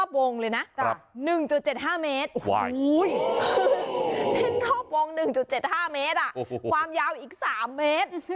เส้นรอบวง๑๗๕เมตรความยาวอีก๓เมตร